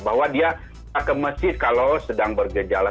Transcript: bahwa dia ke masjid kalau sedang bergejala